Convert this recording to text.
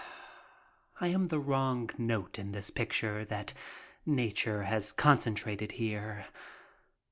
I am the wrong note in this picture that nature has con centrated here.